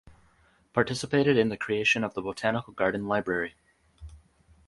Participated in the creation of the botanical garden library.